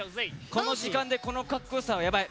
「この時間でこのかっこよさはヤバい」。